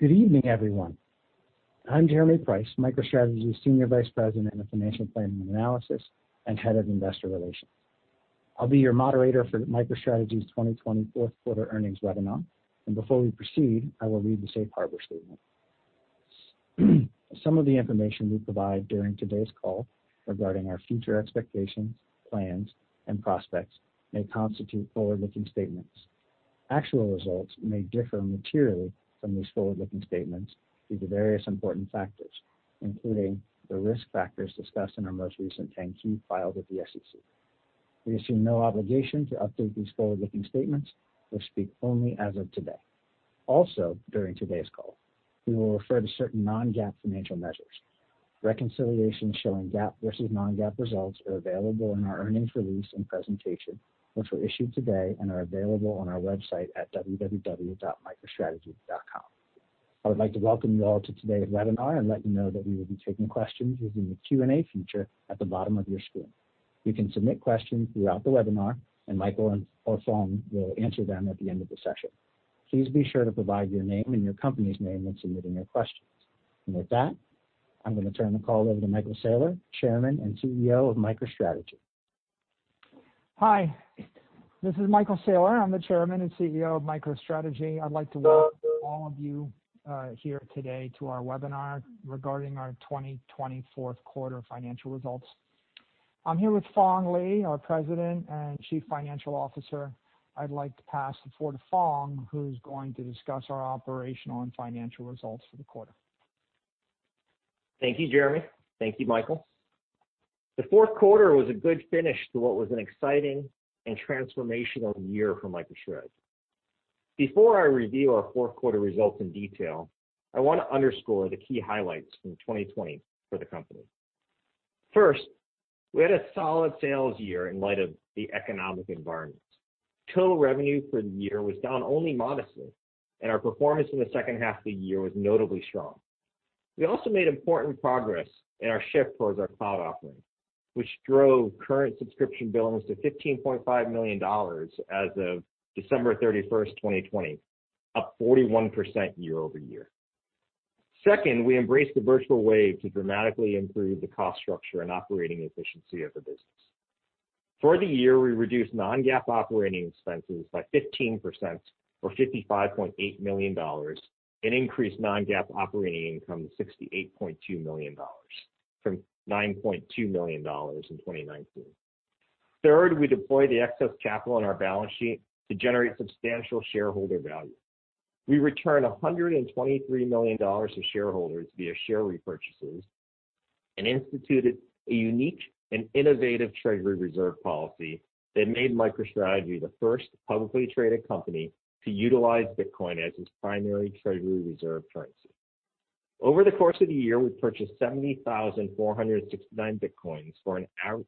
Good evening, everyone. I'm Jeremy Price, MicroStrategy's Senior Vice President of Financial Planning Analysis and Head of Investor Relations. I'll be your moderator for MicroStrategy's 2020 fourth quarter earnings webinar. Before we proceed, I will read the safe harbor statement. Some of the information we provide during today's call regarding our future expectations, plans, and prospects may constitute forward-looking statements. Actual results may differ materially from these forward-looking statements due to various important factors, including the risk factors discussed in our most recent 10-Q filed with the SEC. We assume no obligation to update these forward-looking statements, which speak only as of today. During today's call, we will refer to certain non-GAAP financial measures. Reconciliations showing GAAP versus non-GAAP results are available in our earnings release and presentation, which were issued today and are available on our website at www.microstrategy.com. I would like to welcome you all to today's webinar and let you know that we will be taking questions using the Q&A feature at the bottom of your screen. You can submit questions throughout the webinar, and Michael or Phong will answer them at the end of the session. Please be sure to provide your name and your company's name when submitting your questions. With that, I'm going to turn the call over to Michael Saylor, Chairman and CEO of MicroStrategy. Hi. This is Michael Saylor. I'm the Chairman and CEO of MicroStrategy. I'd like to welcome all of you here today to our webinar regarding our 2020 fourth quarter financial results. I'm here with Phong Le, our President and Chief Financial Officer. I'd like to pass it forward to Phong, who's going to discuss our operational and financial results for the quarter. Thank you, Jeremy. Thank you, Michael. The fourth quarter was a good finish to what was an exciting and transformational year for MicroStrategy. Before I review our fourth quarter results in detail, I want to underscore the key highlights from 2020 for the company. First, we had a solid sales year in light of the economic environment. Total revenue for the year was down only modestly, and our performance in the second half of the year was notably strong. We also made important progress in our shift towards our cloud offering, which drove current subscription billings to $15.5 million as of December 31st, 2020, up 41% year-over-year. Second, we embraced the virtual wave to dramatically improve the cost structure and operating efficiency of the business. For the year, we reduced non-GAAP operating expenses by 15%, or $55.8 million, and increased non-GAAP operating income to $68.2 million from $9.2 million in 2019. Third, we deployed the excess capital on our balance sheet to generate substantial shareholder value. We returned $123 million to shareholders via share repurchases and instituted a unique and innovative treasury reserve policy that made MicroStrategy the first publicly traded company to utilize Bitcoin as its primary treasury reserve currency. Over the course of the year, we purchased 70,469 bitcoins for an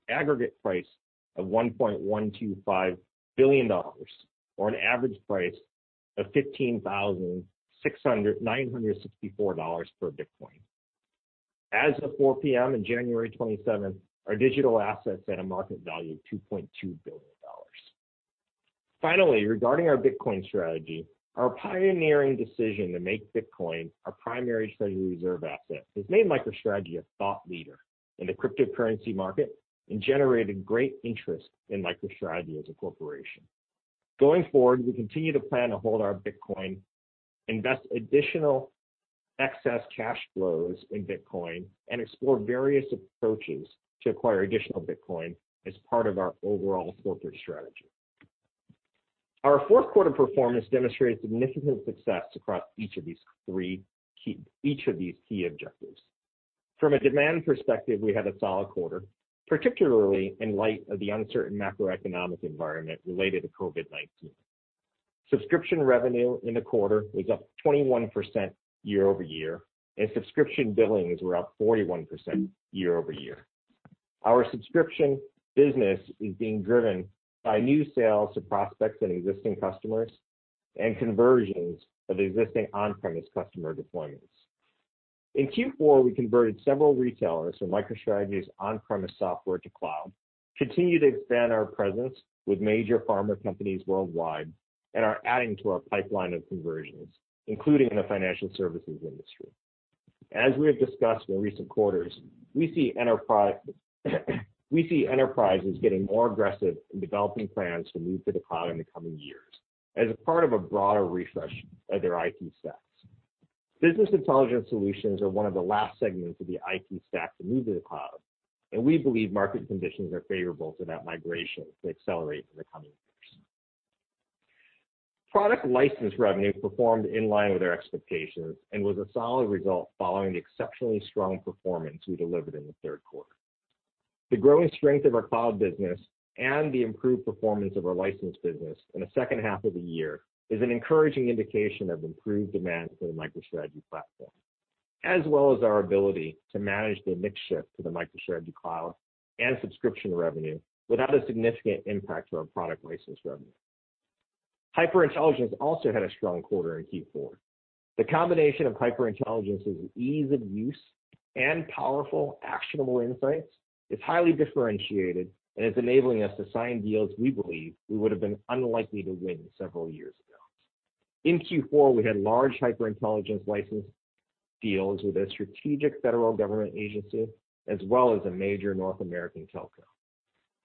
aggregate price of $1.125 billion, or an average price of $15,964 per bitcoin. As of 4:00 P.M. in January 27th, our digital assets had a market value of $2.2 billion. Finally, regarding our Bitcoin strategy, our pioneering decision to make Bitcoin our primary treasury reserve asset has made MicroStrategy a thought leader in the cryptocurrency market and generated great interest in MicroStrategy as a corporation. Going forward, we continue to plan to hold our Bitcoin, invest additional excess cash flows in Bitcoin, and explore various approaches to acquire additional Bitcoin as part of our overall corporate strategy. Our fourth quarter performance demonstrated significant success across each of these key objectives. From a demand perspective, we had a solid quarter, particularly in light of the uncertain macroeconomic environment related to COVID-19. Subscription revenue in the quarter was up 21% year-over-year. Subscription billings were up 41% year-over-year. Our subscription business is being driven by new sales to prospects and existing customers and conversions of existing on-premises customer deployments. In Q4, we converted several retailers from MicroStrategy's on-premise software to cloud, continue to expand our presence with major pharma companies worldwide, and are adding to our pipeline of conversions, including in the financial services industry. As we have discussed in recent quarters, we see enterprises getting more aggressive in developing plans to move to the cloud in the coming years as a part of a broader refresh of their IT stacks. Business intelligence solutions are one of the last segments of the IT stack to move to the cloud, and we believe market conditions are favorable to that migration to accelerate in the coming years. Product license revenue performed in line with our expectations and was a solid result following the exceptionally strong performance we delivered in the third quarter. The growing strength of our cloud business and the improved performance of our license business in the second half of the year is an encouraging indication of improved demand for the MicroStrategy platform, as well as our ability to manage the mix shift to the MicroStrategy cloud and subscription revenue without a significant impact to our product license revenue. HyperIntelligence also had a strong quarter in Q4. The combination of HyperIntelligence's ease of use and powerful, actionable insights is highly differentiated and is enabling us to sign deals we believe we would've been unlikely to win several years ago. In Q4, we had large HyperIntelligence license deals with a strategic federal government agency, as well as a major North American telco.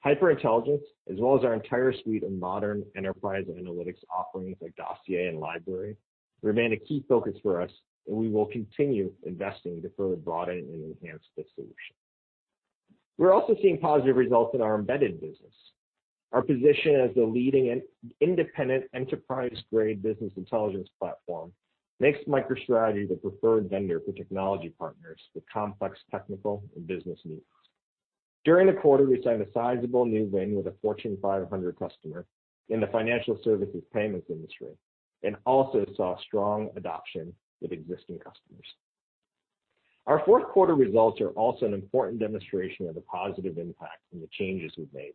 HyperIntelligence, as well as our entire suite of modern enterprise analytics offerings like Dossier and Library, remain a key focus for us. We will continue investing to further broaden and enhance this solution. We're also seeing positive results in our embedded business. Our position as the leading independent enterprise-grade business intelligence platform makes MicroStrategy the preferred vendor for technology partners with complex technical and business needs. During the quarter, we signed a sizable new win with a Fortune 500 customer in the financial services payments industry. Also saw strong adoption with existing customers. Our fourth quarter results are also an important demonstration of the positive impact and the changes we've made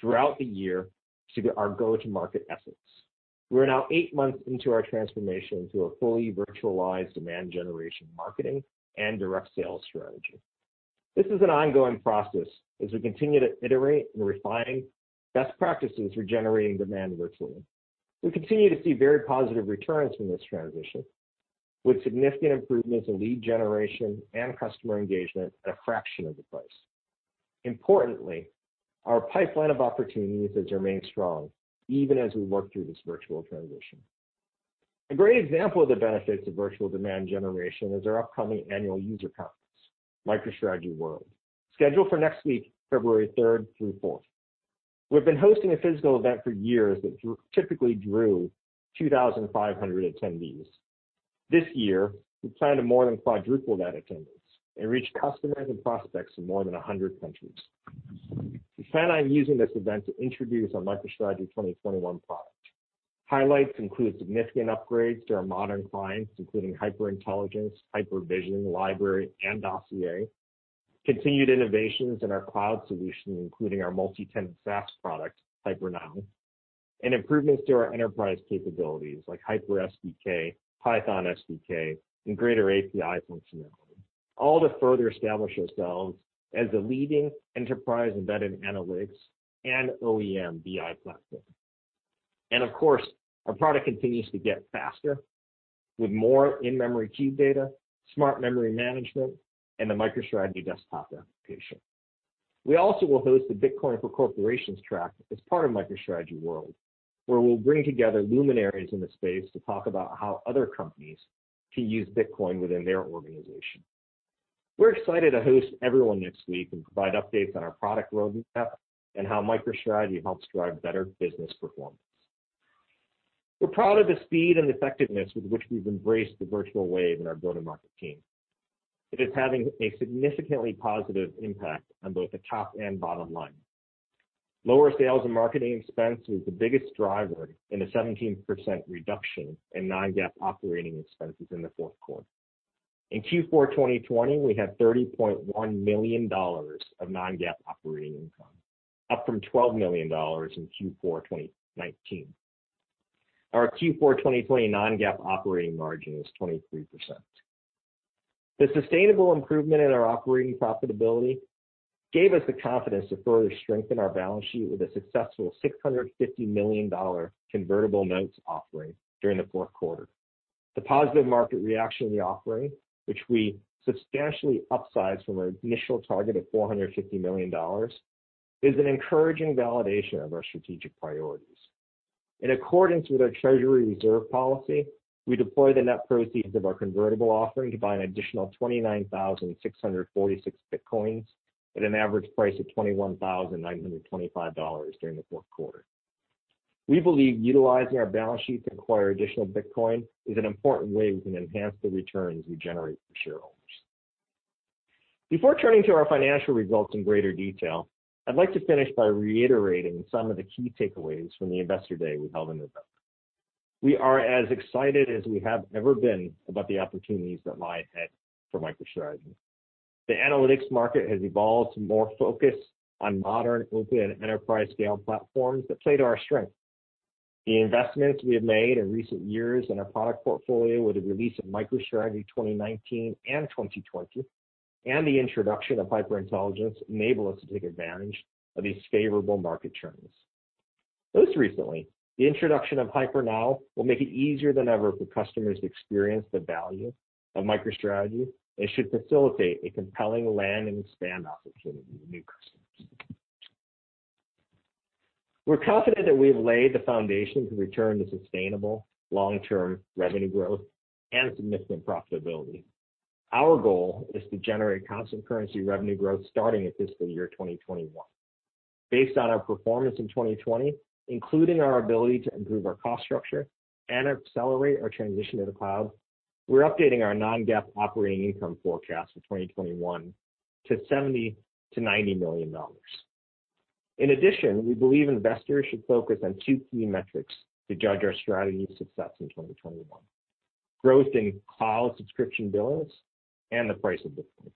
throughout the year to our go-to-market efforts. We're now eight months into our transformation to a fully virtualized demand generation marketing and direct sales strategy. This is an ongoing process as we continue to iterate and refine best practices for generating demand virtually. We continue to see very positive returns from this transition, with significant improvements in lead generation and customer engagement at a fraction of the price. Importantly, our pipeline of opportunities has remained strong even as we work through this virtual transition. A great example of the benefits of virtual demand generation is our upcoming annual user conference, MicroStrategy World, scheduled for next week, February 3rd through 4th. We've been hosting a physical event for years that typically drew 2,500 attendees. This year, we plan to more than quadruple that attendance and reach customers and prospects in more than 100 countries. We plan on using this event to introduce our MicroStrategy 2021 product. Highlights include significant upgrades to our modern clients, including HyperIntelligence, HyperVision, Library, and Dossier, continued innovations in our cloud solution, including our multi-tenant SaaS product, Hyper.Now, and improvements to our enterprise capabilities like Hyper SDK, Python SDK, and greater API functionality, all to further establish ourselves as a leading enterprise-embedded analytics and OEM BI platform. Of course, our product continues to get faster with more in-memory cube data, smart memory management, and the MicroStrategy Desktop application. We also will host the Bitcoin for Corporations track as part of MicroStrategy World, where we'll bring together luminaries in the space to talk about how other companies can use Bitcoin within their organization. We're excited to host everyone next week and provide updates on our product roadmap and how MicroStrategy helps drive better business performance. We're proud of the speed and effectiveness with which we've embraced the virtual wave in our go-to-market team. It is having a significantly positive impact on both the top and bottom line. Lower sales and marketing expense was the biggest driver in a 17% reduction in non-GAAP operating expenses in the fourth quarter. In Q4 2020, we had $30.1 million of non-GAAP operating income, up from $12 million in Q4 2019. Our Q4 2020 non-GAAP operating margin was 23%. The sustainable improvement in our operating profitability gave us the confidence to further strengthen our balance sheet with a successful $650 million convertible notes offering during the fourth quarter. The positive market reaction in the offering, which we substantially upsized from our initial target of $450 million, is an encouraging validation of our strategic priorities. In accordance with our treasury reserve policy, we deployed the net proceeds of our convertible offering to buy an additional 29,646 Bitcoins at an average price of $21,925 during the fourth quarter. We believe utilizing our balance sheet to acquire additional Bitcoin is an important way we can enhance the returns we generate for shareholders. Before turning to our financial results in greater detail, I'd like to finish by reiterating some of the key takeaways from the Investor Day we held in November. We are as excited as we have ever been about the opportunities that lie ahead for MicroStrategy. The analytics market has evolved to more focus on modern, open enterprise-scale platforms that play to our strength. The investments we have made in recent years in our product portfolio, with the release of MicroStrategy 2019 and 2020, and the introduction of HyperIntelligence, enable us to take advantage of these favorable market trends. Most recently, the introduction of Hyper.Now will make it easier than ever for customers to experience the value of MicroStrategy and should facilitate a compelling land and expand opportunity with new customers. We're confident that we've laid the foundation to return to sustainable long-term revenue growth and significant profitability. Our goal is to generate constant currency revenue growth starting at fiscal year 2021. Based on our performance in 2020, including our ability to improve our cost structure and accelerate our transition to the cloud, we're updating our non-GAAP operating income forecast for 2021 to $70 million-$90 million. In addition, we believe investors should focus on two key metrics to judge our strategy success in 2021, growth in cloud subscription billings and the price of Bitcoin.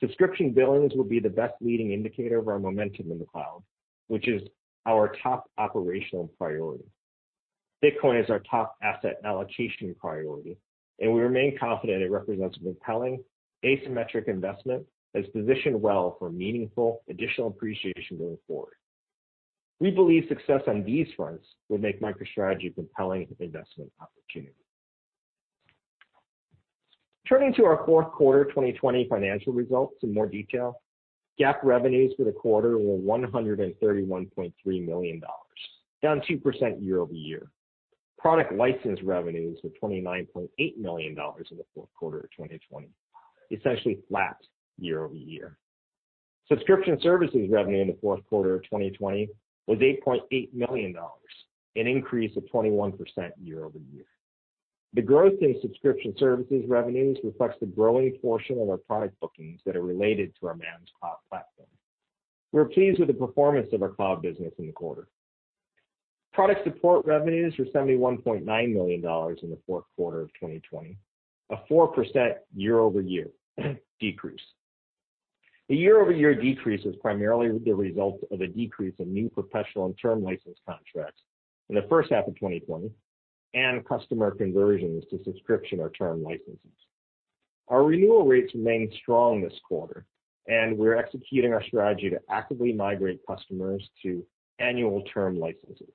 Subscription billings will be the best leading indicator of our momentum in the cloud, which is our top operational priority. Bitcoin is our top asset allocation priority, and we remain confident it represents a compelling asymmetric investment that is positioned well for meaningful additional appreciation going forward. We believe success on these fronts will make MicroStrategy a compelling investment opportunity. Turning to our fourth quarter 2020 financial results in more detail. GAAP revenues for the quarter were $131.3 million, down 2% year-over-year. Product license revenues were $29.8 million in the fourth quarter of 2020, essentially flat year-over-year. Subscription services revenue in the fourth quarter of 2020 was $8.8 million, an increase of 21% year-over-year. The growth in subscription services revenues reflects the growing portion of our product bookings that are related to our managed cloud platform. We're pleased with the performance of our cloud business in the quarter. Product support revenues were $71.9 million in the fourth quarter of 2020, a 4% year-over-year decrease. The year-over-year decrease is primarily the result of a decrease in new perpetual and term license contracts in the first half of 2020, and customer conversions to subscription or term licenses. Our renewal rates remained strong this quarter, and we're executing our strategy to actively migrate customers to annual term licenses.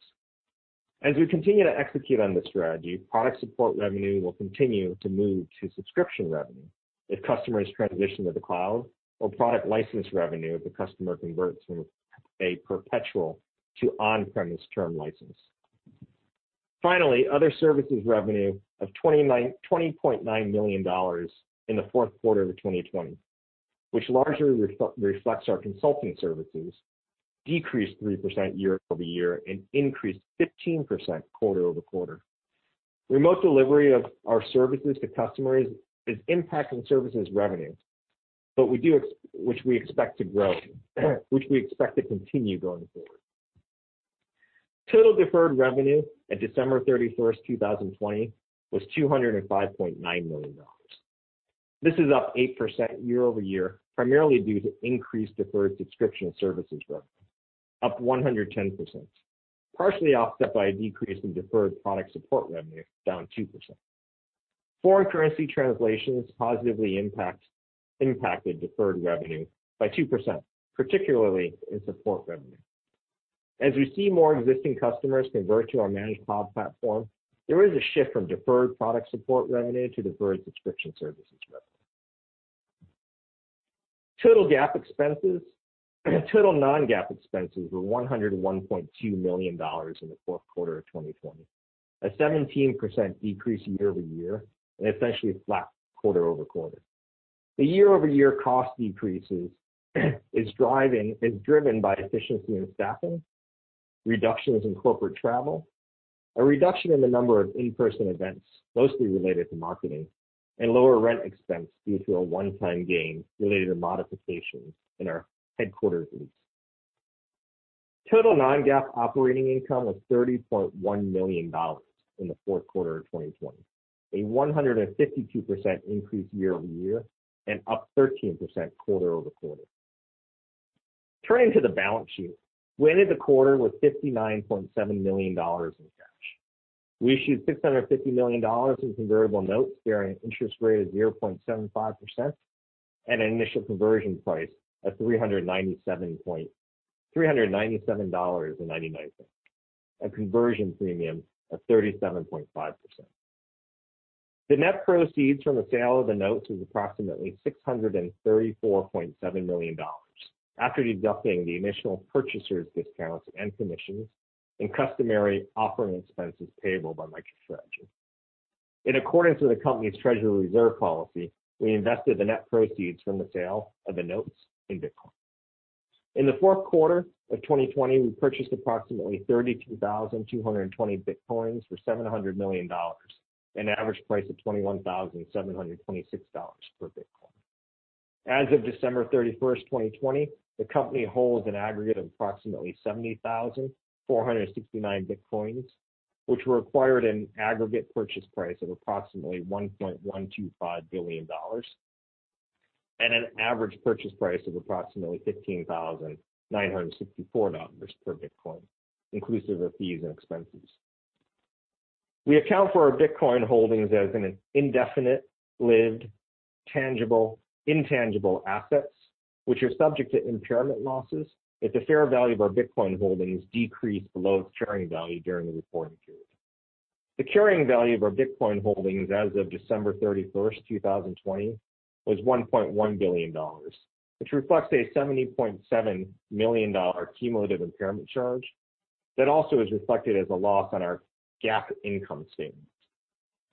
As we continue to execute on this strategy, product support revenue will continue to move to subscription revenue if customers transition to the cloud or product license revenue if the customer converts from a perpetual to on-premise term license. Finally, other services revenue of $20.9 million in the fourth quarter of 2020, which largely reflects our consulting services, decreased 3% year-over-year and increased 15% quarter-over-quarter. Remote delivery of our services to customers is impacting services revenue, which we expect to continue going forward. Total deferred revenue at December 31st, 2020, was $205.9 million. This is up 8% year-over-year, primarily due to increased deferred subscription services revenue, up 110%, partially offset by a decrease in deferred product support revenue, down 2%. Foreign currency translations positively impacted deferred revenue by 2%, particularly in support revenue. As we see more existing customers convert to our managed cloud platform, there is a shift from deferred product support revenue to deferred subscription services revenue. Total non-GAAP expenses were $101.2 million in the fourth quarter of 2020, a 17% decrease year-over-year, and essentially flat quarter-over-quarter. The year-over-year cost decreases is driven by efficiency in staffing, reductions in corporate travel, a reduction in the number of in-person events, mostly related to marketing, and lower rent expense due to a one-time gain related to modifications in our headquarters lease. Total non-GAAP operating income was $30.1 million in the fourth quarter of 2020, a 152% increase year-over-year and up 13% quarter-over-quarter. Turning to the balance sheet. We ended the quarter with $59.7 million in cash. We issued $650 million in convertible notes bearing an interest rate of 0.75% and an initial conversion price of $397.99, a conversion premium of 37.5%. The net proceeds from the sale of the notes was approximately $634.7 million, after deducting the initial purchaser's discounts and commissions and customary offering expenses payable by MicroStrategy. In accordance with the company's treasury reserve policy, we invested the net proceeds from the sale of the notes in Bitcoin. In the fourth quarter of 2020, we purchased approximately 32,220 bitcoins for $700 million, an average price of $21,726 per bitcoin. As of December 31st, 2020, the company holds an aggregate of approximately 70,469 bitcoins, which required an aggregate purchase price of approximately $1.125 billion, and an average purchase price of approximately $15,964 per bitcoin, inclusive of fees and expenses. We account for our Bitcoin holdings as an indefinite-lived intangible assets, which are subject to impairment losses if the fair value of our Bitcoin holdings decrease below its carrying value during the reporting period. The carrying value of our Bitcoin holdings as of December 31st, 2020, was $1.1 billion, which reflects a $70.7 million cumulative impairment charge that also is reflected as a loss on our GAAP income statement.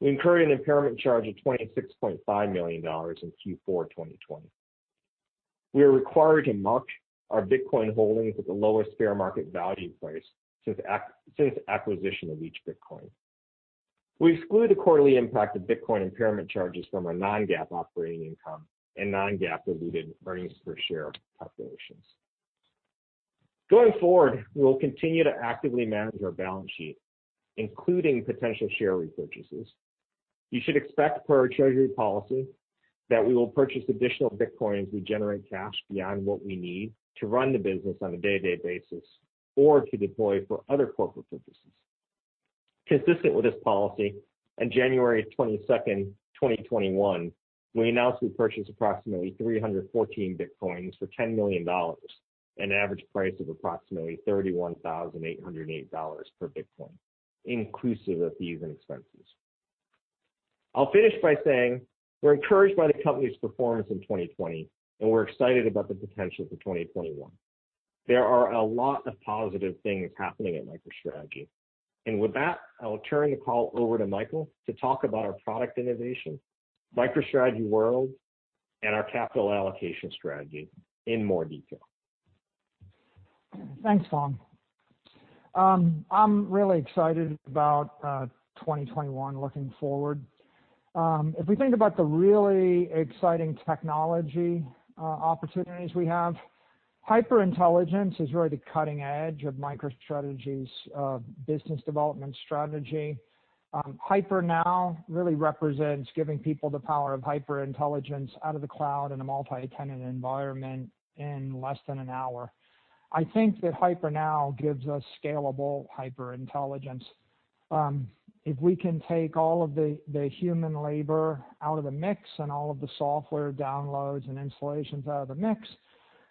We incurred an impairment charge of $26.5 million in Q4 2020. We are required to mark our Bitcoin holdings at the lowest fair market value price since acquisition of each Bitcoin. We exclude the quarterly impact of Bitcoin impairment charges from our non-GAAP operating income and non-GAAP diluted earnings per share calculations. Going forward, we will continue to actively manage our balance sheet, including potential share repurchases. You should expect per our treasury policy that we will purchase additional Bitcoins as we generate cash beyond what we need to run the business on a day-to-day basis or to deploy for other corporate purposes. Consistent with this policy, on January 22nd, 2021, we announced we purchased approximately 314 Bitcoins for $10 million, an average price of approximately $31,808 per Bitcoin, inclusive of fees and expenses. I'll finish by saying we're encouraged by the company's performance in 2020, and we're excited about the potential for 2021. There are a lot of positive things happening at MicroStrategy. With that, I will turn the call over to Michael to talk about our product innovation, MicroStrategy World, and our capital allocation strategy in more detail. Thanks, Phong. I'm really excited about 2021 looking forward. If we think about the really exciting technology opportunities we have, HyperIntelligence is really the cutting edge of MicroStrategy's business development strategy. Hyper.Now really represents giving people the power of HyperIntelligence out of the cloud in a multi-tenant environment in less than an hour. I think that Hyper.Now gives us scalable HyperIntelligence. If we can take all of the human labor out of the mix and all of the software downloads and installations out of the mix,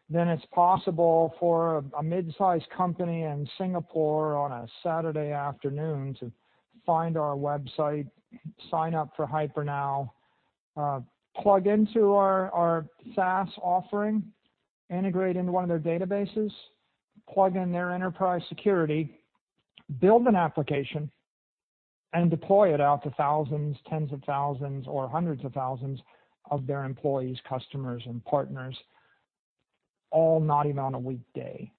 then it's possible for a mid-size company in Singapore on a Saturday afternoon to find our website, sign up for Hyper.Now, plug into our SaaS offering, integrate into one of their databases, plug in their enterprise security, build an application, and deploy it out to thousands, tens of thousands, or hundreds of thousands of their employees, customers, and partners, all not even on a weekday,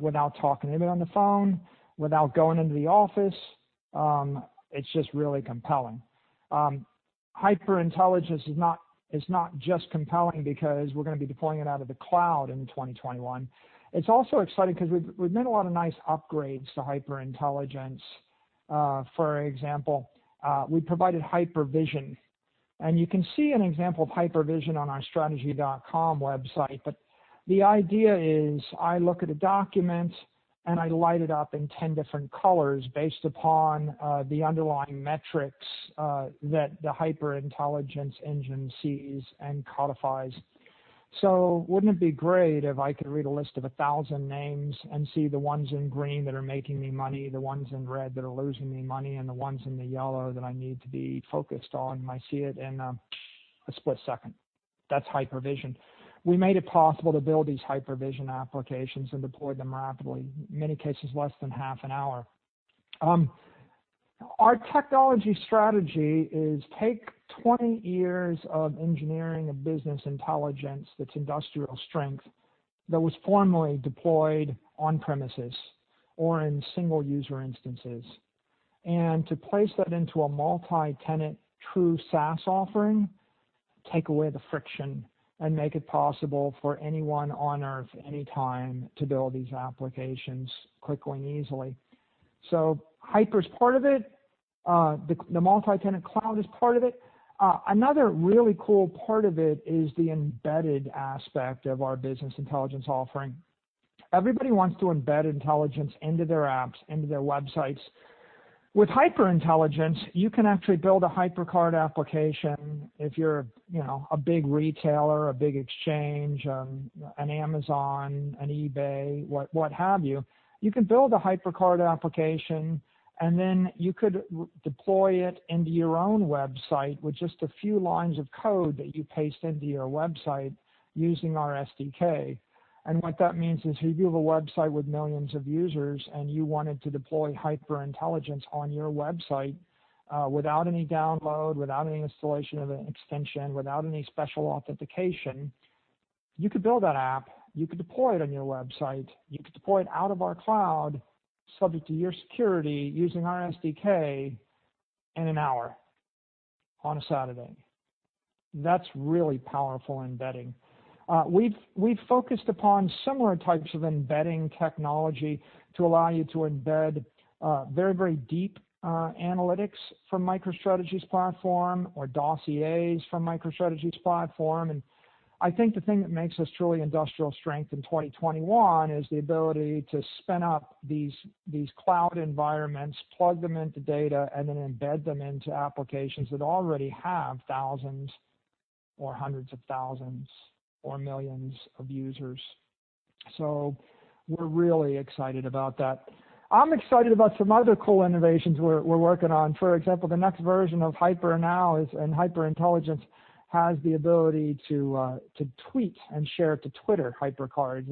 without talking to anybody on the phone, without going into the office. It's just really compelling. HyperIntelligence is not just compelling because we're going to be deploying it out of the cloud in 2021. It's also exciting because we've made a lot of nice upgrades to HyperIntelligence. For example, we provided HyperVision, and you can see an example of HyperVision on our microstrategy.com website. The idea is I look at a document, and I light it up in 10 different colors based upon the underlying metrics that the HyperIntelligence engine sees and codifies. Wouldn't it be great if I could read a list of 1,000 names and see the ones in green that are making me money, the ones in red that are losing me money, and the ones in the yellow that I need to be focused on, and I see it in a split second? That's HyperVision. We made it possible to build these HyperVision applications and deploy them rapidly, in many cases less than half an hour. Our technology strategy is take 20 years of engineering and business intelligence that is industrial strength, that was formerly deployed on premises or in single-user instances, and to place that into a multi-tenant, true SaaS offering, take away the friction, and make it possible for anyone on Earth, anytime, to build these applications quickly and easily. Hyper's part of it. The multi-tenant cloud is part of it. Another really cool part of it is the embedded aspect of our business intelligence offering. Everybody wants to embed intelligence into their apps, into their websites. With HyperIntelligence, you can actually build a Hyper Card application if you're a big retailer, a big exchange, an Amazon, an eBay, what have you. You can build a Hyper Card application, and then you could deploy it into your own website with just a few lines of code that you paste into your website using our SDK. What that means is if you have a website with millions of users and you wanted to deploy HyperIntelligence on your website, without any download, without any installation of an extension, without any special authentication, you could build that app, you could deploy it on your website, you could deploy it out of our cloud, subject to your security, using our SDK in an hour on a Saturday. That's really powerful embedding. We've focused upon similar types of embedding technology to allow you to embed very deep analytics from MicroStrategy's platform or Dossier from MicroStrategy's platform. I think the thing that makes us truly industrial strength in 2021 is the ability to spin up these cloud environments, plug them into data, and then embed them into applications that already have thousands or hundreds of thousands or millions of users. We're really excited about that. I'm excited about some other cool innovations we're working on. For example, the next version of Hyper.Now and HyperIntelligence has the ability to tweet and share to Twitter Hyper Cards.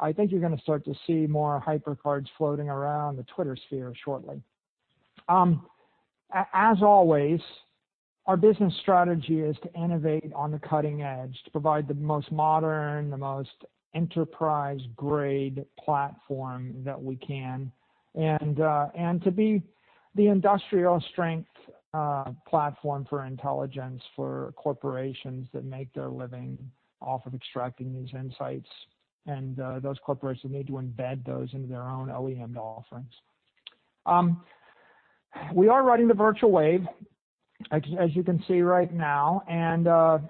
I think you're going to start to see more Hyper Cards floating around the Twitter sphere shortly. As always, our business strategy is to innovate on the cutting edge, to provide the most modern, the most enterprise-grade platform that we can, and to be the industrial strength platform for intelligence for corporations that make their living off of extracting these insights. Those corporations need to embed those into their own OEM offerings. We are riding the virtual wave, as you can see right now.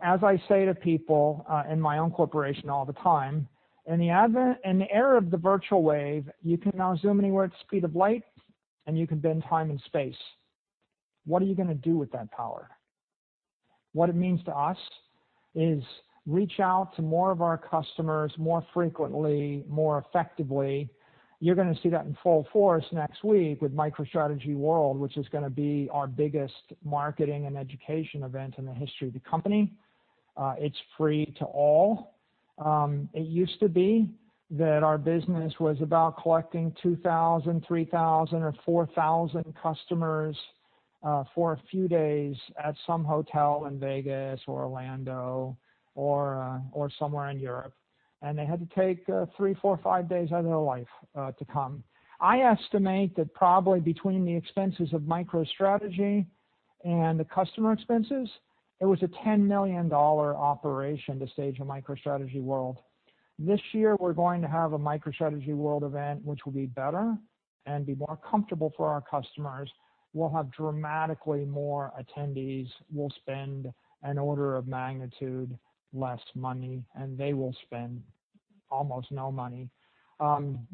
As I say to people in my own corporation all the time, in the era of the virtual wave, you can now zoom anywhere at the speed of light, and you can bend time and space. What are you going to do with that power? What it means to us is reach out to more of our customers more frequently, more effectively. You're going to see that in full force next week with MicroStrategy World, which is going to be our biggest marketing and education event in the history of the company. It's free to all. It used to be that our business was about collecting 2,000, 3,000, or 4,000 customers for a few days at some hotel in Vegas or Orlando or somewhere in Europe, and they had to take three, four, five days out of their life to come. I estimate that probably between the expenses of MicroStrategy and the customer expenses, it was a $10 million operation to stage a MicroStrategy World. This year, we're going to have a MicroStrategy World event which will be better and be more comfortable for our customers. We'll have dramatically more attendees. We'll spend an order of magnitude less money, and they will spend almost no money.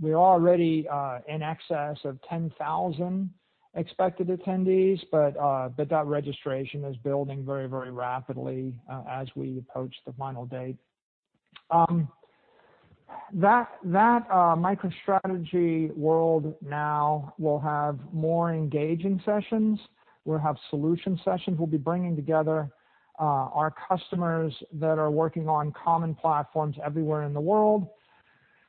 We're already in excess of 10,000 expected attendees, but that registration is building very rapidly as we approach the final date. That MicroStrategy World now will have more engaging sessions. We'll have solution sessions. We'll be bringing together our customers that are working on common platforms everywhere in the world.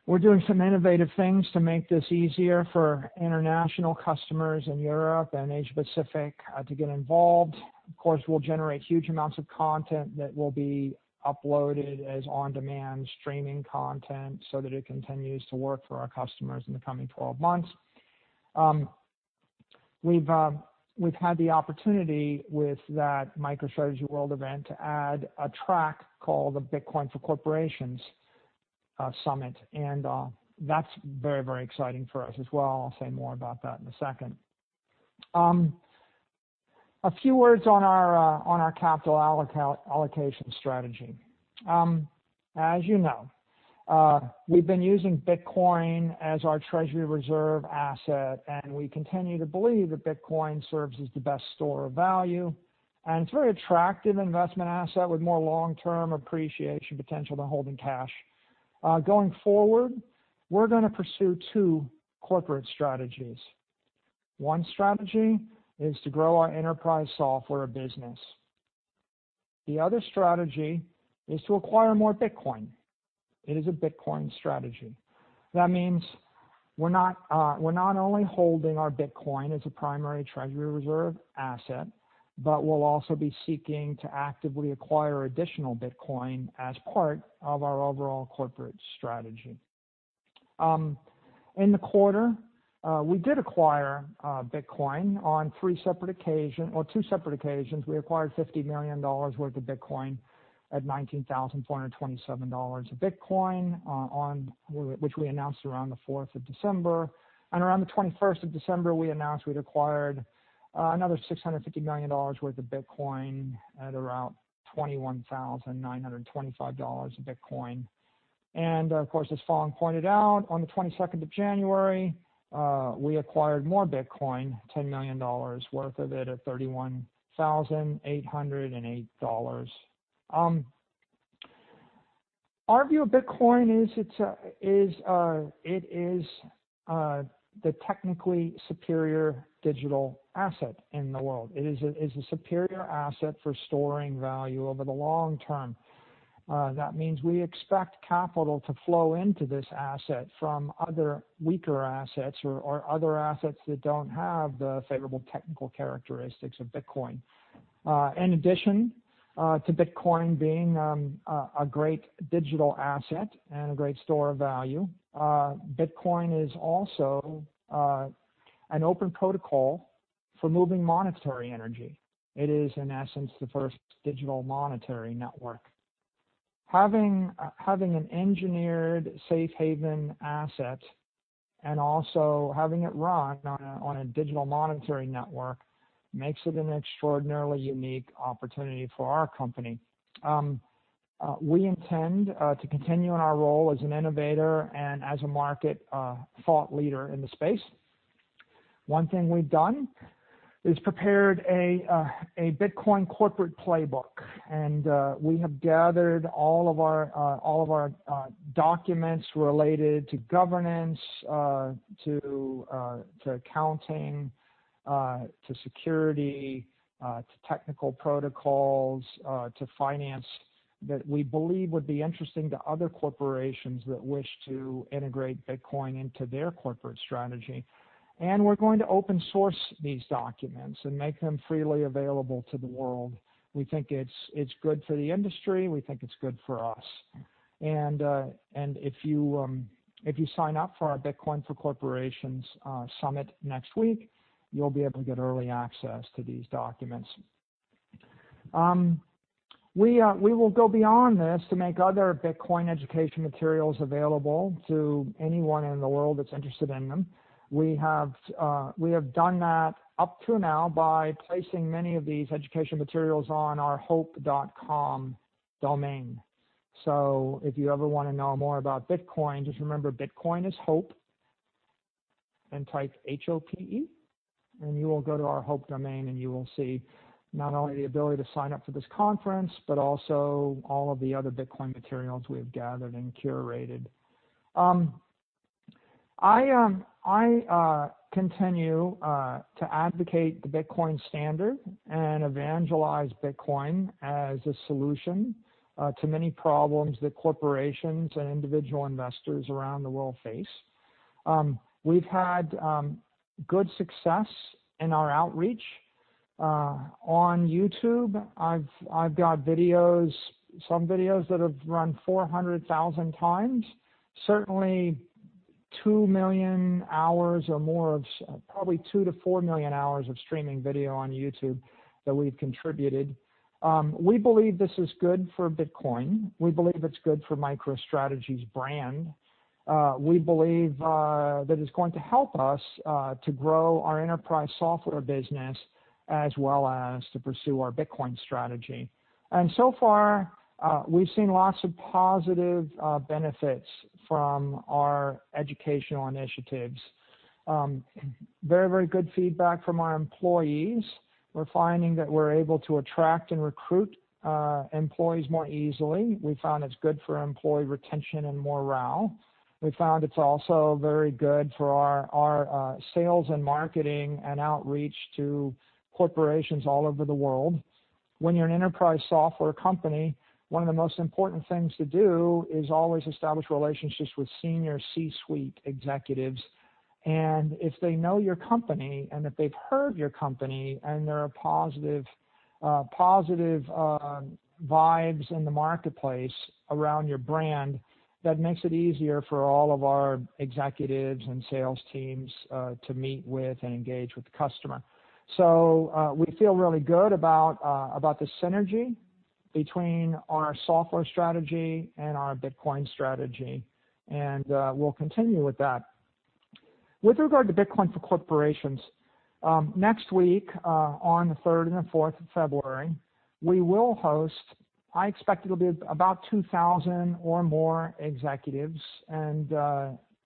We're doing some innovative things to make this easier for international customers in Europe and Asia-Pacific to get involved. Of course, we'll generate huge amounts of content that will be uploaded as on-demand streaming content so that it continues to work for our customers in the coming 12 months. We've had the opportunity with that MicroStrategy World event to add a track called the Bitcoin for Corporations Summit, and that's very exciting for us as well. I'll say more about that in a second. A few words on our capital allocation strategy. As you know, we've been using Bitcoin as our treasury reserve asset, and we continue to believe that Bitcoin serves as the best store of value. It's a very attractive investment asset with more long-term appreciation potential than holding cash. Going forward, we're going to pursue two corporate strategies. One strategy is to grow our enterprise software business. The other strategy is to acquire more Bitcoin. It is a Bitcoin strategy. That means we're not only holding our Bitcoin as a primary treasury reserve asset, but we'll also be seeking to actively acquire additional Bitcoin as part of our overall corporate strategy. In the quarter, we did acquire Bitcoin on two separate occasions. We acquired $50 million worth of Bitcoin at $19,427 a bitcoin, which we announced around the 4th of December. Around the 21st of December, we announced we'd acquired another $650 million worth of Bitcoin at around $21,925 a bitcoin. Of course, as Phong pointed out, on the 22nd of January, we acquired more Bitcoin, $10 million worth of it at $31,808. Our view of Bitcoin is, it is the technically superior digital asset in the world. It is a superior asset for storing value over the long term. That means we expect capital to flow into this asset from other weaker assets or other assets that don't have the favorable technical characteristics of Bitcoin. In addition to Bitcoin being a great digital asset and a great store of value, Bitcoin is also an open protocol for moving monetary energy. It is, in essence, the first digital monetary network. Having an engineered safe haven asset and also having it run on a digital monetary network makes it an extraordinarily unique opportunity for our company. We intend to continue in our role as an innovator and as a market thought leader in the space. One thing we've done is prepared a Bitcoin corporate playbook, and we have gathered all of our documents related to governance, to accounting, to security, to technical protocols, to finance that we believe would be interesting to other corporations that wish to integrate Bitcoin into their corporate strategy. We're going to open source these documents and make them freely available to the world. We think it's good for the industry, we think it's good for us. If you sign up for our Bitcoin for Corporations Summit next week, you'll be able to get early access to these documents. We will go beyond this to make other Bitcoin education materials available to anyone in the world that's interested in them. We have done that up to now by placing many of these education materials on our hope.com domain. If you ever want to know more about Bitcoin, just remember Bitcoin is HOPE, and type H-O-P-E, and you will go to our HOPE domain, and you will see not only the ability to sign up for this conference, but also all of the other Bitcoin materials we have gathered and curated. I continue to advocate the Bitcoin standard and evangelize Bitcoin as a solution to many problems that corporations and individual investors around the world face. We've had good success in our outreach. On YouTube, I've got some videos that have run 400,000 times. Certainly 2 million hours, probably 2 million-4 million hours of streaming video on YouTube that we've contributed. We believe this is good for Bitcoin. We believe it's good for MicroStrategy's brand. We believe that it's going to help us to grow our enterprise software business as well as to pursue our Bitcoin strategy. So far, we've seen lots of positive benefits from our educational initiatives. Very good feedback from our employees. We're finding that we're able to attract and recruit employees more easily. We found it's good for employee retention and morale. We found it's also very good for our sales and marketing and outreach to corporations all over the world. When you're an enterprise software company, one of the most important things to do is always establish relationships with senior C-suite executives. If they know your company and if they've heard of your company, and there are positive vibes in the marketplace around your brand, that makes it easier for all of our executives and sales teams to meet with and engage with the customer. We feel really good about the synergy between our software strategy and our Bitcoin strategy. We will continue with that. With regard to Bitcoin for Corporations, next week, on the 3rd and the 4th of February, we will host, I expect it'll be about 2,000 or more executives and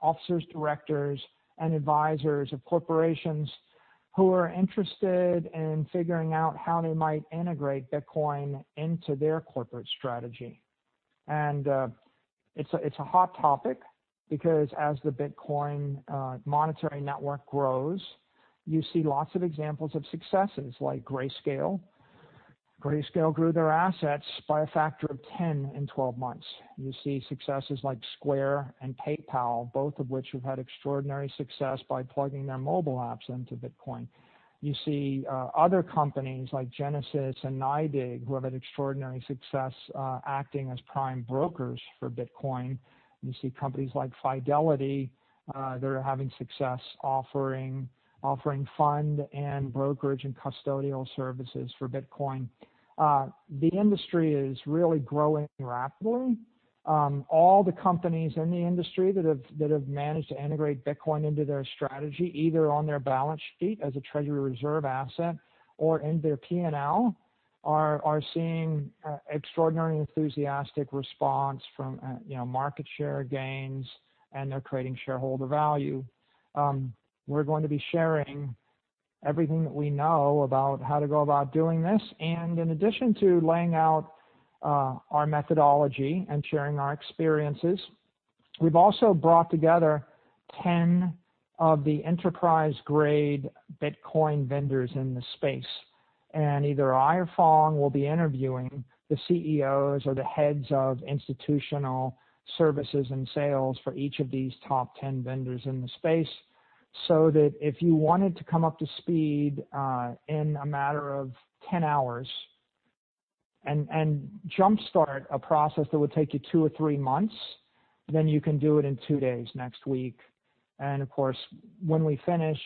officers, directors, and advisors of corporations who are interested in figuring out how they might integrate Bitcoin into their corporate strategy. It's a hot topic because as the Bitcoin monetary network grows, you see lots of examples of successes like Grayscale. Grayscale grew their assets by a factor of 10 in 12 months. You see successes like Square and PayPal, both of which have had extraordinary success by plugging their mobile apps into Bitcoin. You see other companies like Genesis and NYDIG who have had extraordinary success acting as prime brokers for Bitcoin. You see companies like Fidelity that are having success offering fund and brokerage and custodial services for Bitcoin. The industry is really growing rapidly. All the companies in the industry that have managed to integrate Bitcoin into their strategy, either on their balance sheet as a treasury reserve asset or in their P&L, are seeing extraordinary enthusiastic response from market share gains. They're creating shareholder value. We're going to be sharing everything that we know about how to go about doing this. In addition to laying out our methodology and sharing our experiences, we've also brought together 10 of the enterprise-grade Bitcoin vendors in the space. Either I or Phong will be interviewing the CEOs or the heads of institutional services and sales for each of these top 10 vendors in the space, so that if you wanted to come up to speed in a matter of 10 hours and jumpstart a process that would take you two or three months, then you can do it in two days next week. Of course, when we finish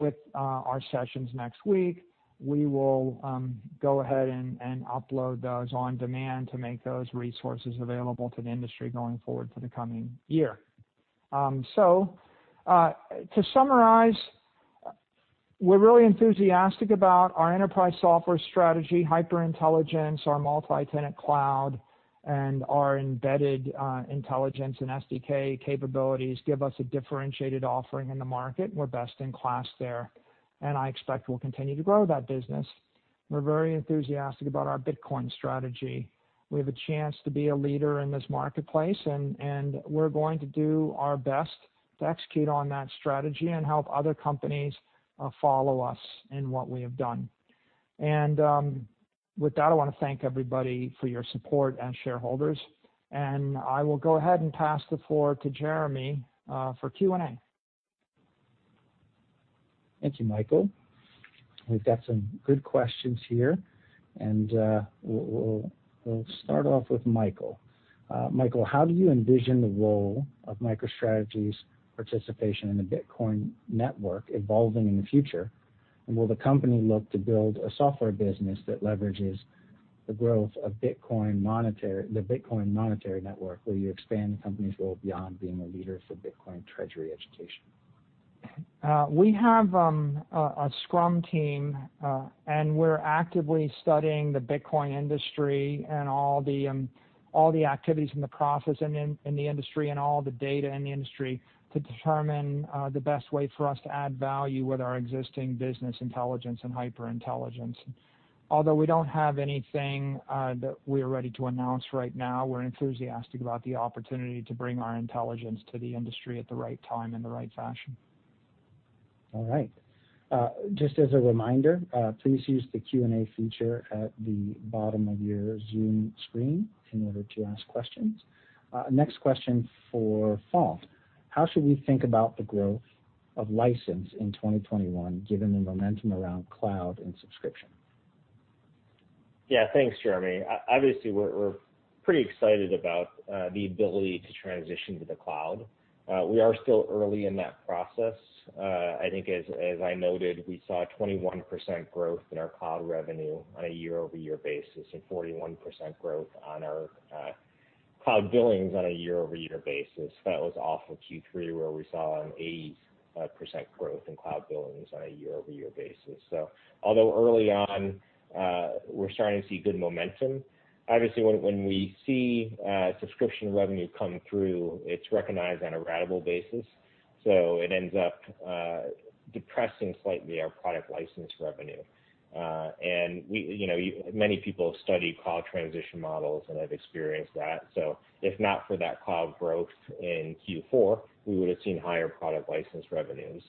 with our sessions next week, we will go ahead and upload those on demand to make those resources available to the industry going forward for the coming year. To summarize, we're really enthusiastic about our enterprise software strategy. HyperIntelligence, our multi-tenant cloud, and our embedded intelligence and SDK capabilities give us a differentiated offering in the market. We're best in class there, and I expect we'll continue to grow that business. We're very enthusiastic about our Bitcoin strategy. We have a chance to be a leader in this marketplace, and we're going to do our best to execute on that strategy and help other companies follow us in what we have done. With that, I want to thank everybody for your support and shareholders. I will go ahead and pass the floor to Jeremy for Q&A. Thank you, Michael. We've got some good questions here. We'll start off with Michael, how do you envision the role of MicroStrategy's participation in the Bitcoin network evolving in the future? Will the company look to build a software business that leverages the growth of the Bitcoin monetary network? Will you expand the company's role beyond being a leader for Bitcoin treasury education? We have a scrum team, and we're actively studying the Bitcoin industry and all the activities and the process in the industry and all the data in the industry to determine the best way for us to add value with our existing business intelligence and HyperIntelligence. Although we don't have anything that we are ready to announce right now, we're enthusiastic about the opportunity to bring our intelligence to the industry at the right time, in the right fashion. All right. Just as a reminder, please use the Q&A feature at the bottom of your Zoom screen in order to ask questions. Next question for Phong. How should we think about the growth of license in 2021, given the momentum around cloud and subscription? Yeah. Thanks, Jeremy. We're pretty excited about the ability to transition to the cloud. We are still early in that process. I think as I noted, we saw a 21% growth in our cloud revenue on a year-over-year basis, and 41% growth on our cloud billings on a year-over-year basis. That was off of Q3, where we saw an 85% growth in cloud billings on a year-over-year basis. Although early on, we're starting to see good momentum. When we see subscription revenue come through, it's recognized on a ratable basis, so it ends up depressing slightly our product license revenue. Many people have studied cloud transition models and have experienced that. If not for that cloud growth in Q4, we would've seen higher product license revenues.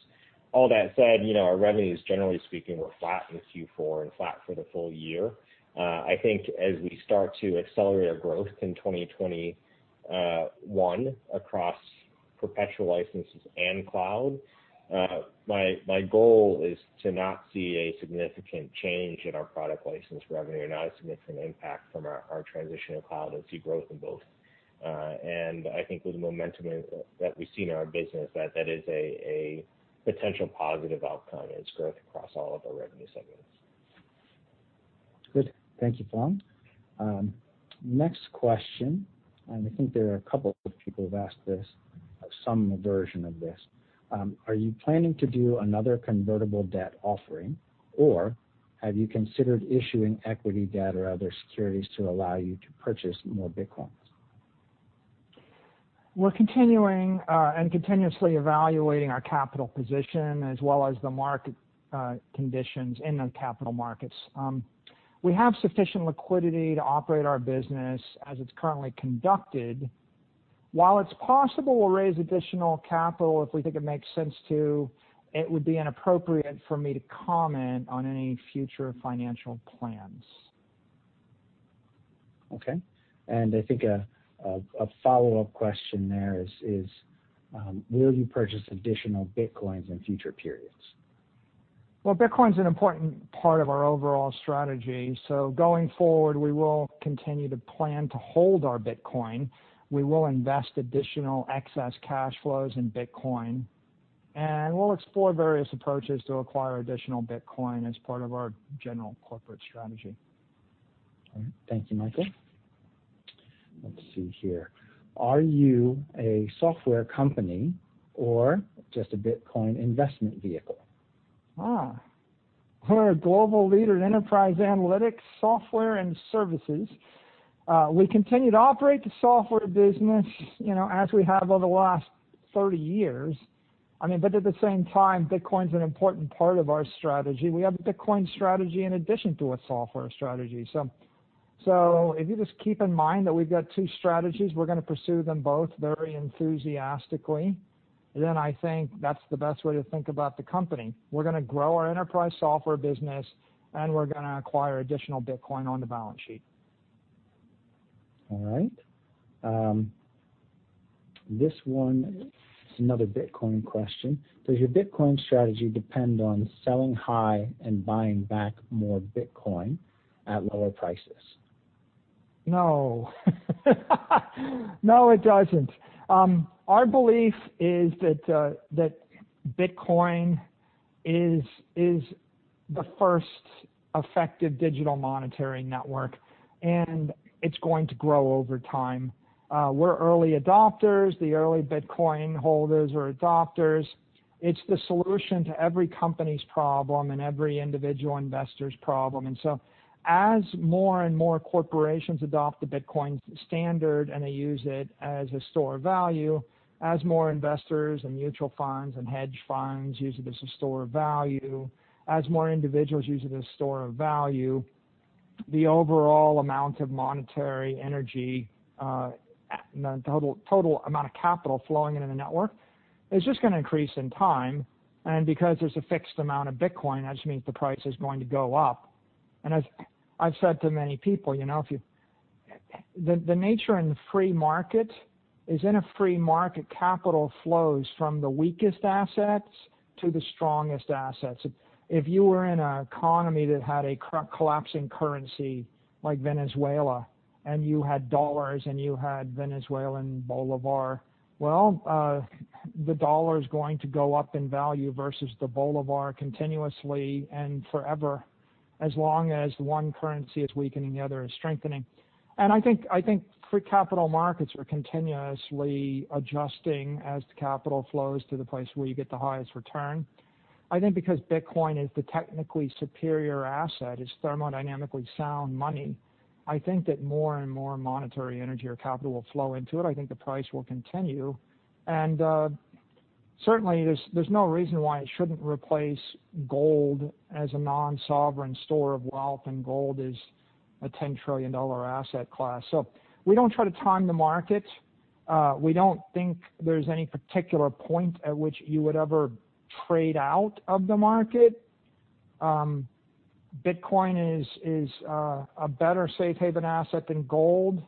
All that said, our revenues, generally speaking, were flat in Q4 and flat for the full year. I think as we start to accelerate our growth in 2021 across perpetual licenses and cloud, my goal is to not see a significant change in our product license revenue or not a significant impact from our transition to cloud and see growth in both. I think with the momentum that we see in our business, that is a potential positive outcome as growth across all of our revenue segments. Good. Thank you, Phong. Next question, I think there are a couple of people who have asked this, some version of this. Are you planning to do another convertible debt offering, or have you considered issuing equity debt or other securities to allow you to purchase more Bitcoins? We're continuing and continuously evaluating our capital position, as well as the market conditions in the capital markets. We have sufficient liquidity to operate our business as it's currently conducted. While it's possible, we'll raise additional capital if we think it makes sense to, it would be inappropriate for me to comment on any future financial plans. Okay. I think a follow-up question there is, will you purchase additional Bitcoins in future periods? Well, Bitcoin's an important part of our overall strategy. Going forward, we will continue to plan to hold our Bitcoin. We will invest additional excess cash flows in Bitcoin, and we'll explore various approaches to acquire additional Bitcoin as part of our general corporate strategy. All right. Thank you, Michael. Let's see here. Are you a software company or just a Bitcoin investment vehicle? We're a global leader in enterprise analytics, software, and services. We continue to operate the software business as we have over the last 30 years. At the same time, Bitcoin's an important part of our strategy. We have a Bitcoin strategy in addition to a software strategy. If you just keep in mind that we've got two strategies, we're going to pursue them both very enthusiastically, then I think that's the best way to think about the company. We're going to grow our enterprise software business, and we're going to acquire additional Bitcoin on the balance sheet. All right. This one is another Bitcoin question. Does your Bitcoin strategy depend on selling high and buying back more Bitcoin at lower prices? No. No, it doesn't. Our belief is that Bitcoin is the first effective digital monetary network, and it's going to grow over time. We're early adopters, the early Bitcoin holders or adopters. It's the solution to every company's problem and every individual investor's problem. As more and more corporations adopt the Bitcoin standard and they use it as a store of value, as more investors and mutual funds and hedge funds use it as a store of value, as more individuals use it as a store of value, the overall amount of monetary energy, the total amount of capital flowing into the network is just going to increase in time. Because there's a fixed amount of Bitcoin, that just means the price is going to go up. As I've said to many people, in a free market, capital flows from the weakest assets to the strongest assets. If you were in an economy that had a collapsing currency like Venezuela, and you had dollars and you had Venezuelan bolívar, well, the dollar is going to go up in value versus the bolivar continuously and forever. As long as one currency is weakening, the other is strengthening. I think free capital markets are continuously adjusting as the capital flows to the place where you get the highest return. I think because Bitcoin is the technically superior asset, it's thermodynamically sound money, I think that more and more monetary energy or capital will flow into it. I think the price will continue. Certainly, there's no reason why it shouldn't replace gold as a non-sovereign store of wealth, and gold is a $10 trillion asset class. We don't try to time the market. We don't think there's any particular point at which you would ever trade out of the market. Bitcoin is a better safe haven asset than gold.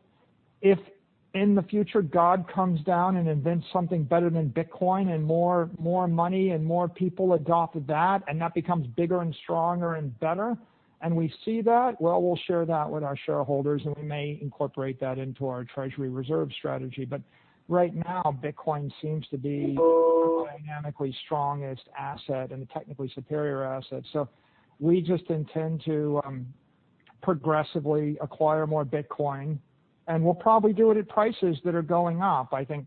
If in the future God comes down and invents something better than Bitcoin and more money and more people adopt that and that becomes bigger and stronger and better, and we see that, well, we'll share that with our shareholders, and we may incorporate that into our treasury reserve strategy. Right now, Bitcoin seems to be the dynamically strongest asset and the technically superior asset. We just intend to progressively acquire more Bitcoin, and we'll probably do it at prices that are going up. I think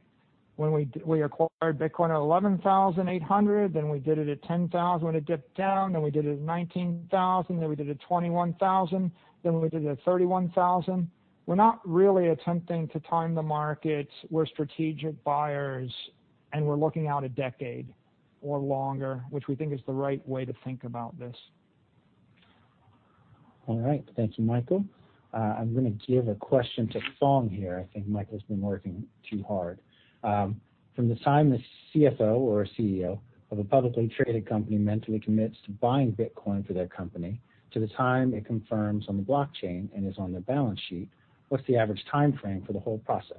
when we acquired Bitcoin at $11,800, we did it at $10,000 when it dipped down, we did it at $19,000, we did it at $21,000, we did it at $31,000. We're not really attempting to time the markets. We're strategic buyers and we're looking out a decade or longer, which we think is the right way to think about this. All right. Thank you, Michael. I'm going to give a question to Phong here. I think Michael's been working too hard. From the time the CFO or CEO of a publicly traded company mentally commits to buying Bitcoin for their company to the time it confirms on the blockchain and is on their balance sheet, what's the average timeframe for the whole process?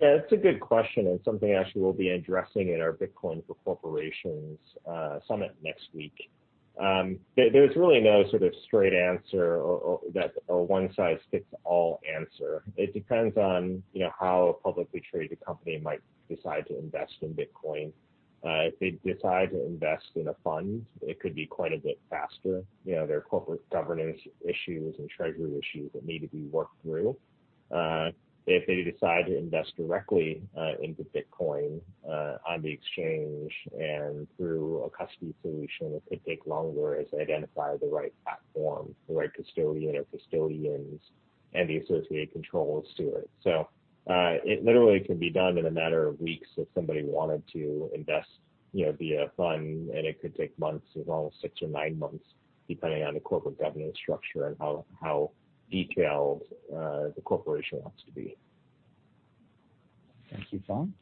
Yeah, that's a good question, and something actually we'll be addressing at our Bitcoin for Corporations Summit next week. There's really no sort of straight answer or one-size-fits-all answer. It depends on how a publicly traded company might decide to invest in Bitcoin. If they decide to invest in a fund, it could be quite a bit faster. There are corporate governance issues and treasury issues that need to be worked through. If they decide to invest directly into Bitcoin, on the exchange and through a custody solution, it could take longer as they identify the right platform, the right custodian or custodians, and the associated controls to it. It literally can be done in a matter of weeks if somebody wanted to invest via a fund, and it could take months, as long as six or nine months, depending on the corporate governance structure and how detailed the corporation wants to be. Thank you, Phong.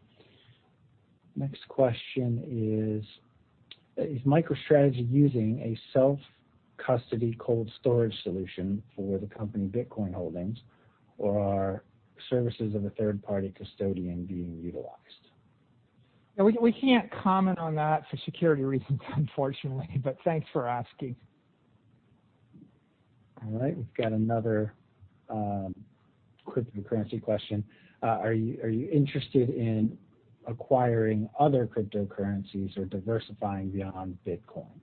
Next question is MicroStrategy using a self-custody cold storage solution for the company Bitcoin holdings, or are services of a third-party custodian being utilized? We can't comment on that for security reasons, unfortunately, but thanks for asking. All right. We've got another cryptocurrency question. Are you interested in acquiring other cryptocurrencies or diversifying beyond Bitcoin?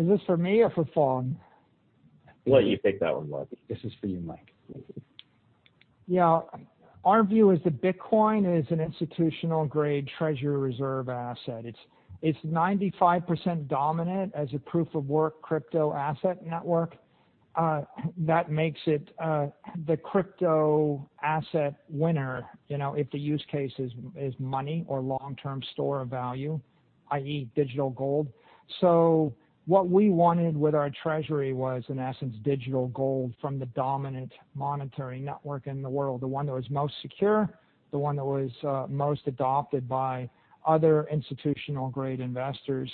Is this for me or for Phong? We'll let you take that one, Michael. This is for you, Mike. Our view is that Bitcoin is an institutional-grade treasury reserve asset. It's 95% dominant as a proof of work crypto asset network. That makes it the crypto asset winner if the use case is money or long-term store of value, i.e., digital gold. What we wanted with our treasury was, in essence, digital gold from the dominant monetary network in the world, the one that was most secure, the one that was most adopted by other institutional-grade investors,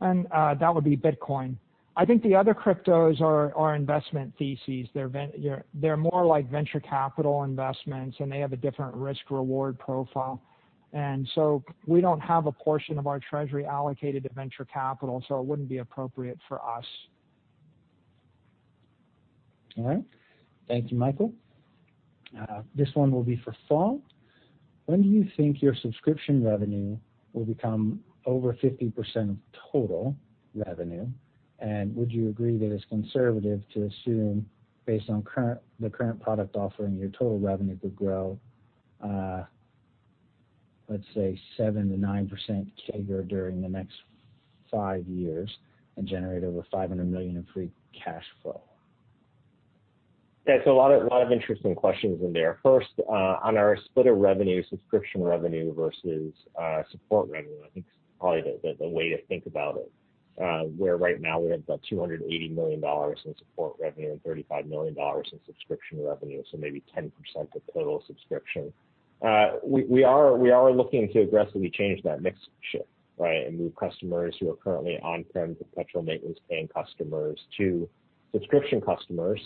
and that would be Bitcoin. I think the other cryptos are investment theses. They're more like venture capital investments, and they have a different risk-reward profile. We don't have a portion of our treasury allocated to venture capital, so it wouldn't be appropriate for us. All right. Thank you, Michael. This one will be for Phong. When do you think your subscription revenue will become over 50% of total revenue? Would you agree that it's conservative to assume, based on the current product offering, your total revenue could grow, let's say, 7%-9% CAGR during the next five years and generate over $500 million of free cash flow? Yeah. A lot of interesting questions in there. First, on our split of revenue, subscription revenue versus support revenue, I think is probably the way to think about it, where right now we have about $280 million in support revenue and $35 million in subscription revenue, so maybe 10% of total subscription. We are looking to aggressively change that mix shift, right? Move customers who are currently on-prem, perpetual maintenance-paying customers to subscription customers.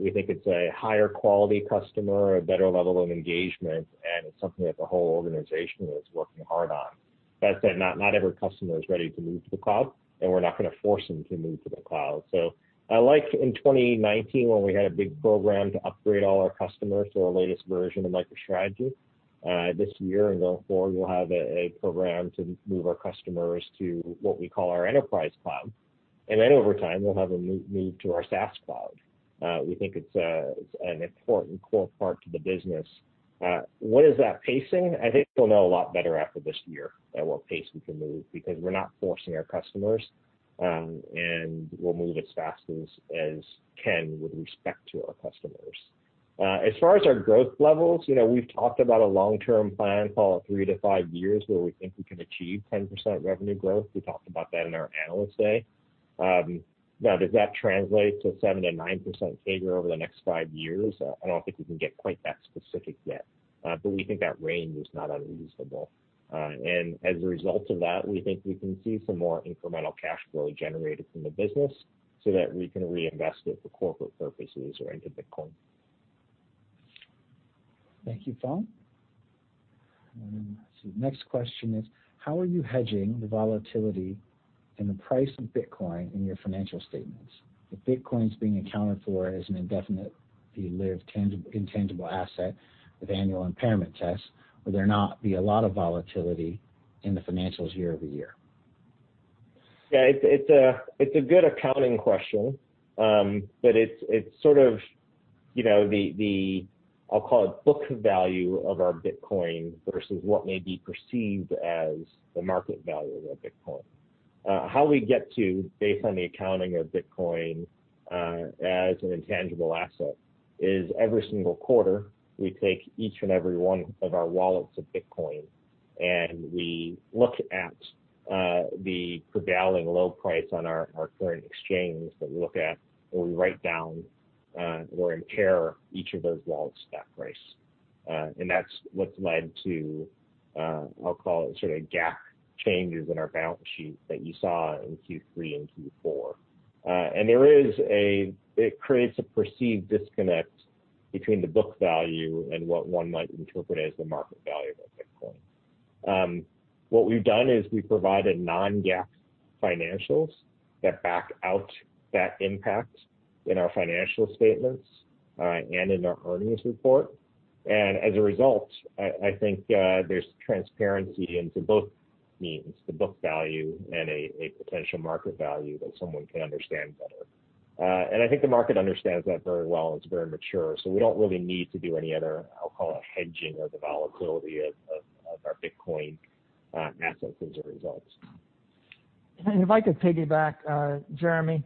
We think it's a higher quality customer, a better level of engagement, and it's something that the whole organization is working hard on. That said, not every customer is ready to move to the cloud, and we're not going to force them to move to the cloud. In 2019, when we had a big program to upgrade all our customers to our latest version of MicroStrategy, this year and going forward, we'll have a program to move our customers to what we call our enterprise cloud. Over time, we'll have them move to our SaaS cloud. We think it's an important core part to the business. What is that pacing? I think we'll know a lot better after this year at what pace we can move, because we're not forcing our customers. We'll move as fast as we can with respect to our customers. As far as our growth levels, we've talked about a long-term plan, call it 3 years-5 years, where we think we can achieve 10% revenue growth. We talked about that in our analyst day. Does that translate to 7% to 9% CAGR over the next five years? I don't think we can get quite that specific yet. We think that range is not unreasonable. As a result of that, we think we can see some more incremental cash flow generated from the business so that we can reinvest it for corporate purposes or into Bitcoin. Thank you, Phong. Let's see, next question is, how are you hedging the volatility in the price of Bitcoin in your financial statements? If Bitcoin's being accounted for as an indefinite-lived intangible asset with annual impairment tests, would there not be a lot of volatility in the financials year-over-year? Yeah, it's a good accounting question. It's sort of the, I'll call it book value of our Bitcoin versus what may be perceived as the market value of that Bitcoin. How we get to, based on the accounting of Bitcoin, as an intangible asset is every single quarter, we take each and every one of our wallets of Bitcoin, and we look at the prevailing low price on our current exchange that we look at, where we write down or impair each of those wallets at that price. That's what's led to, I'll call it sort of GAAP changes in our balance sheet that you saw in Q3 and Q4. It creates a perceived disconnect between the book value and what one might interpret as the market value of a Bitcoin. What we've done is we've provided non-GAAP financials that back out that impact in our financial statements and in our earnings report. As a result, I think there's transparency into both means, the book value and a potential market value that someone can understand better. I think the market understands that very well and it's very mature, so we don't really need to do any other, I'll call it hedging of the volatility of our Bitcoin assets as a result. If I could piggyback, Jeremy.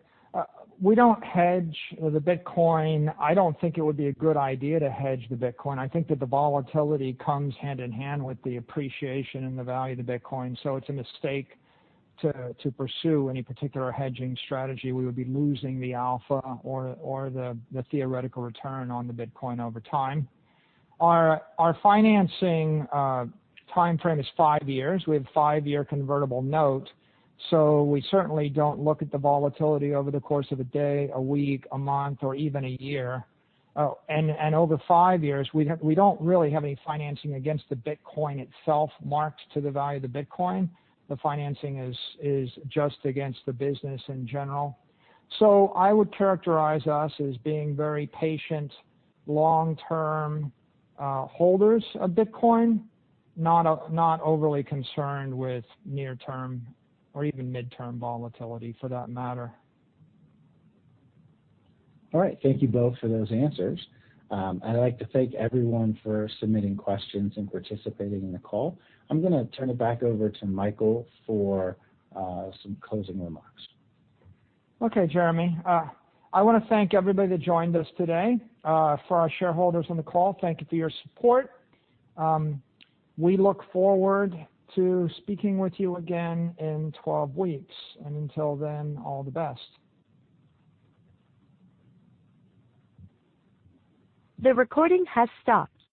We don't hedge the Bitcoin. I don't think it would be a good idea to hedge the Bitcoin. I think that the volatility comes hand in hand with the appreciation and the value of the Bitcoin. It's a mistake to pursue any particular hedging strategy. We would be losing the alpha or the theoretical return on the Bitcoin over time. Our financing timeframe is five years. We have a five-year convertible note, so we certainly don't look at the volatility over the course of a day, a week, a month, or even a year. Over five years, we don't really have any financing against the Bitcoin itself marked to the value of the Bitcoin. The financing is just against the business in general. I would characterize us as being very patient, long-term holders of Bitcoin, not overly concerned with near term or even midterm volatility for that matter. All right. Thank you both for those answers. I'd like to thank everyone for submitting questions and participating in the call. I'm going to turn it back over to Michael for some closing remarks. Okay, Jeremy. I want to thank everybody that joined us today. For our shareholders on the call, thank you for your support. We look forward to speaking with you again in 12 weeks, and until then, all the best.